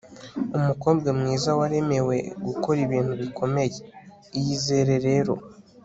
umukobwa mwiza waremewe gukora ibintu bikomeye. iyizere rero